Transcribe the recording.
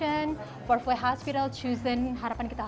hai hai dokter sanchiho